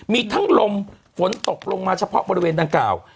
มีทั้งลมฝนตกลงมาเฉพาะบริเวณดังกล่าว